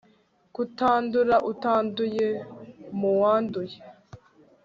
KUTANDURA utanduye mu wanduye